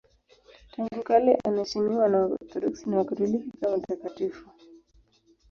Tangu kale anaheshimiwa na Waorthodoksi na Wakatoliki kama mtakatifu.